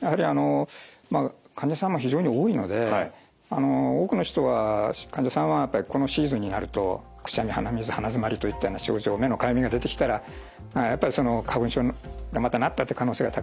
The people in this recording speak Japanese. やはりあの患者さんも非常に多いので多くの人が患者さんはこのシーズンになるとくしゃみ鼻水鼻詰まりといったような症状目のかゆみが出てきたらやっぱりその花粉症またなったという可能性が高いですよね。